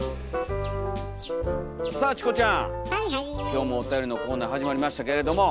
今日もおたよりのコーナー始まりましたけれども。